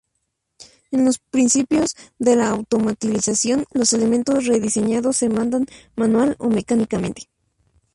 En los principios de la automatización, los elementos rediseñados se mandan manual o mecánicamente.